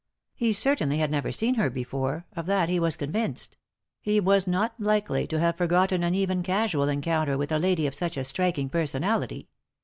He certainly had never seen her before, of that he was convinced ; he was not likely to have forgotten an even casual encounter with a lady of such a striking personality.